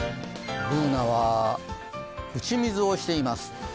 Ｂｏｏｎａは打ち水をしています。